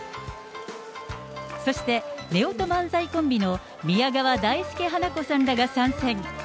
そして夫婦漫才コンビの宮川大助・花子さんらが参戦。